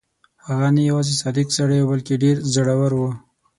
هغه نه یوازې صادق سړی وو بلکې ډېر زړه ور وو.